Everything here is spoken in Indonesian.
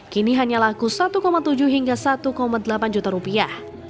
kini hanya laku satu tujuh hingga satu delapan juta rupiah